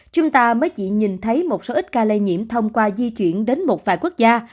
chúng ta mới chỉ nhìn thấy một số ít ca lây nhiễm thông qua di chuyển đến một vài quốc gia